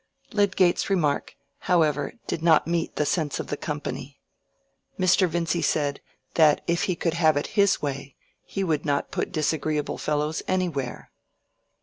Lydgate's remark, however, did not meet the sense of the company. Mr. Vincy said, that if he could have his way, he would not put disagreeable fellows anywhere.